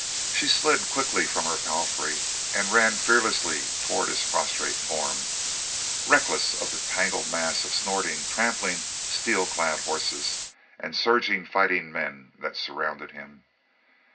She slid quickly from her palfrey and ran fearlessly toward his prostrate form, reckless of the tangled mass of snorting, trampling, steel clad horses, and surging fighting men that surrounded him.